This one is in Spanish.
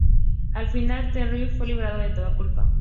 Al final, The Revival fue liberado de toda culpa.